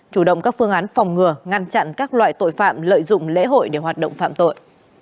chủ động các phương án phòng ngừa ngăn chặn các loại tội phạm lợi dụng lễ hội để hoạt động phạm tội